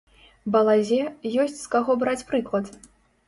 Балазе, ёсць з каго браць прыклад.